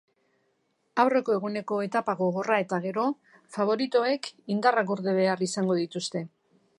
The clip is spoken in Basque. Aurreko eguneko etapa gogorra eta gero faboritoek indarrak gorde behar izango dituzte.